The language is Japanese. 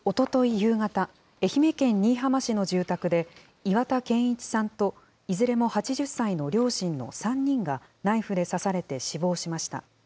夕方、愛媛県新居浜市の住宅で、岩田健一さんと、いずれも８０歳の両親の３人が、ナイフで刺されて死亡しました。